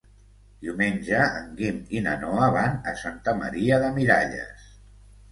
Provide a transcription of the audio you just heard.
Diumenge en Guim i na Noa van a Santa Maria de Miralles.